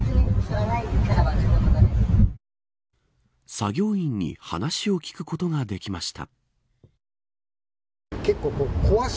作業員に話を聞くことができました。